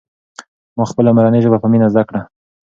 ما خپله مورنۍ ژبه په مینه زده کړه.